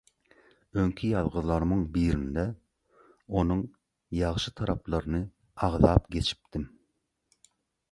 Öňki ýazgylarymyň birinde onuň ýagşy taraplaryny agzap geçipdim.